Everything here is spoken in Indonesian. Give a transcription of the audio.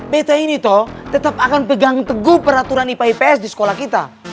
pt ini tol tetap akan pegang teguh peraturan ipa ips di sekolah kita